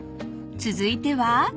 ［続いては］